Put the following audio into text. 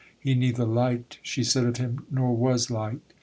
"He neither liked," she said of him, "nor was liked.